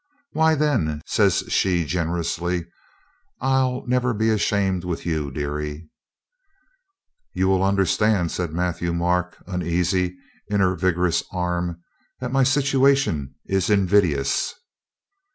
"Why, then," says she generously, "I'll never be ashamed with you, dearie." "You will understand," said Matthieu M,arc un easy in her vigorous arm, "that my situation is in vidious."